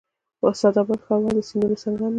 اسعد اباد ښار ولې د سیندونو سنگم دی؟